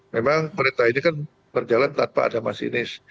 memang kereta ini kan berjalan tanpa ada masinis